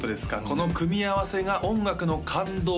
この組み合わせが音楽の感動